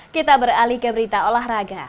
kita beralih ke berita olahraga